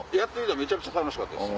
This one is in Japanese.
めちゃくちゃ楽しかったです。